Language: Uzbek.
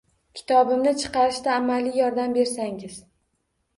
Kitobimni chiqarishda amaliy yordam bersangiz?